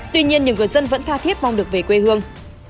tuy nhiên nhiều người dân vẫn tha thiết mong được về quê hương